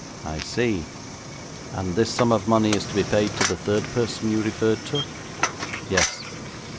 'I see. And this sum of money is to be paid to the third person you referred to?' 'Yes.'